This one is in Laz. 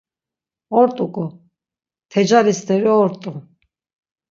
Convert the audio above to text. Ort̆uǩo… Tecali st̆eri ort̆u.